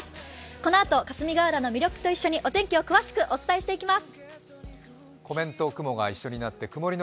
このあと霞ヶ浦の魅力と一緒にお天気を詳しくお伝えしていきます。